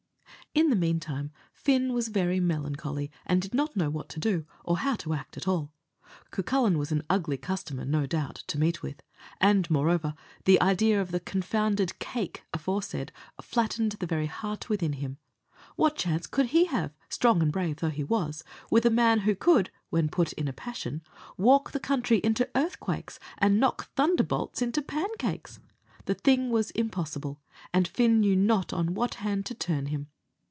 In the meantime, Fin was very melancholy, and did not know what to do, or how to act at all. Cucullin was an ugly customer, no doubt, to meet with; and, moreover, the idea of the confounded "cake" aforesaid flattened the very heart within him. What chance could he have, strong and brave though he was, with a man who could, when put in a passion, walk the country into earthquakes and knock thunderbolts into pancakes? The thing was impossible; and Fin knew not on what hand to turn him.